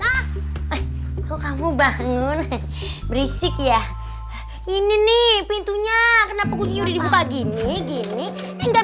ah kok kamu bangun berisik ya ini nih pintunya kenapa kucing udah dibuka gini gini enggak